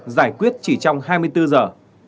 giải quyết chỉ trong hai mươi bốn giờ